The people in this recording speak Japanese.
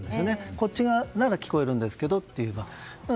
こっち側なら聞こえるんですけどっていう具合に。